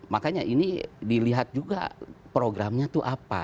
makanya ini dilihat juga programnya itu apa